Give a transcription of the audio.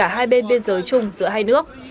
hà nội và hà nội